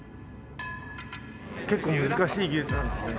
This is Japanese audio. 結構難しい技術なんですよね。